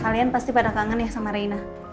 kalian pasti pada kangen ya sama reina